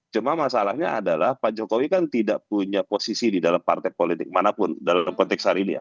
cuma masalahnya adalah pak jokowi kan tidak punya posisi di dalam partai politik manapun dalam konteks hari ini ya